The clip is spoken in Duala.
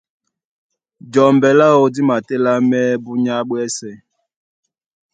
Jɔmbɛ láō dí matélámɛ́ búnyá ɓwɛ́sɛ̄.